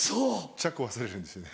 チャック忘れるんですよね。